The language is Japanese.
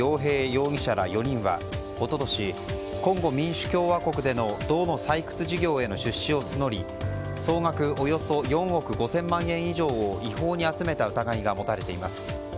容疑者ら４人は一昨年、コンゴ民主共和国での銅の採掘事業への出資を募り総額およそ４億５０００万円以上を違法に集めた疑いが持たれています。